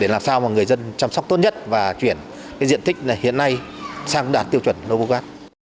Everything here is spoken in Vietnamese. để làm sao mà người dân chăm sóc tốt nhất và chuyển cái diện tích này hiện nay sang đạt tiêu chuẩn novograt